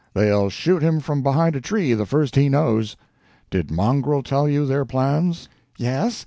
They'll shoot him from behind a tree the first he knows. Did Mongrel tell you their plans?" "Yes.